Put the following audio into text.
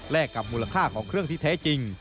กับมูลค่าของเครื่องที่แท้จริง